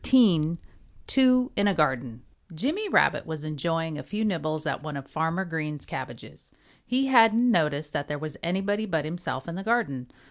XIII TWO IN A GARDEN Jimmy Rabbit was enjoying a few nibbles at one of Farmer Green's cabbages. He hadn't noticed that there was anybody but himself in the garden.